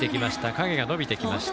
影が伸びてきました。